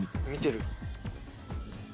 見てる。